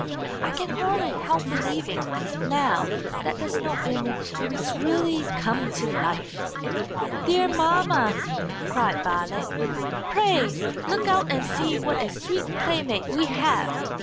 I can hardly help believing, now, that the snow image has really come to life!" "Dear mamma!" cried Violet, "pray look out and see what a sweet playmate we have!"